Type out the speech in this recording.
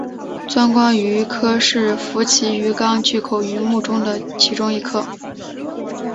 钻光鱼科是辐鳍鱼纲巨口鱼目的其中一科。